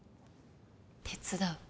手伝う？